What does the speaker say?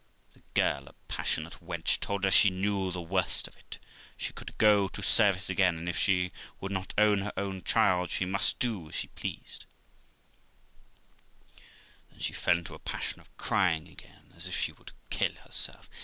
The girl, a passionate wench, told her she knew the worst of it, she could go to service again, and if she would not own her own child, she must do as she pleased; then she fell into a passion of crying again, as if she would kill herself.